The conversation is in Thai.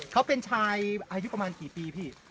เขาเป็นชายประมาณกี่ปี